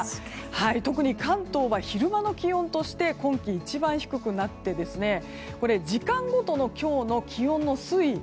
特に関東は、昼間の気温として今季一番低くなって時間ごとの今日の気温の推移